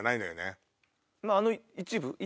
あの一部？